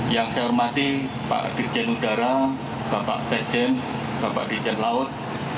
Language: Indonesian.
yang saya hormati pak dirjen udara bapak sekjen bapak dirjen laut